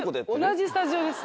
同じスタジオです。